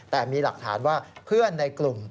แต่มีหลักฐานว่าเพื่อนในกลุ่ม